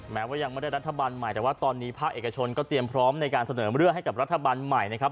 แม้ว่ายังไม่ได้รัฐบาลใหม่แต่ว่าตอนนี้ภาคเอกชนก็เตรียมพร้อมในการเสนอเรื่องให้กับรัฐบาลใหม่นะครับ